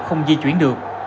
không di chuyển được